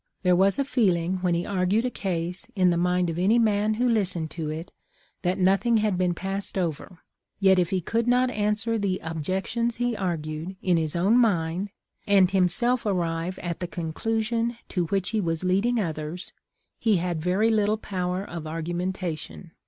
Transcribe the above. There was a feeling, when he argued a case, in the mind of any man who listened to it, that nothing had been passed over ; yet if he could not answer the objections he argued, in his own mind, and him self arrive at the conclusion to which he was lead ing others, he had very little power of argumenta tion.